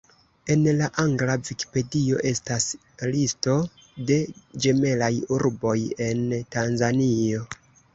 En la angla Vikipedio estas listo de ĝemelaj urboj en Tanzanio.